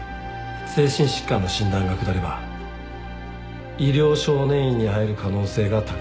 精神疾患の診断が下れば医療少年院に入る可能性が高い。